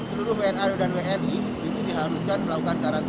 seluruh wni dan wni itu diharuskan melakukan garansi